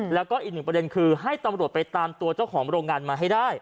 แล้วก็อีกหนึ่งประเด็นคือให้ตำรวจไปตามตัวเจ้าของโรงงานมาให้ได้